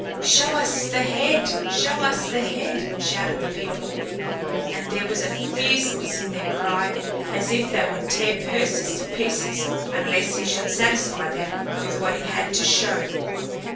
"Show us the head! Show us the head!" shouted the people; and there was a fierceness in their cry as if they would tear Perseus to pieces unless he should satisfy them with what he had to show.